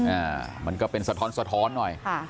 อ่ามันก็เป็นสะท้อนสะท้อนหน่อยค่ะ